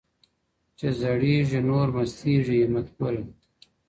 چي زړیږي نور مستیږي، همت ګله!